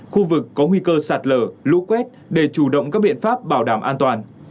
khu vực có nguy cơ sạt lở lũ quét để chủ động các biện pháp bảo đảm an toàn